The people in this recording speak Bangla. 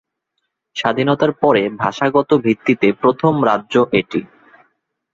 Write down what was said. স্বাধীনতার পরে, ভাষাগত ভিত্তিতে প্রথম রাজ্য এটি।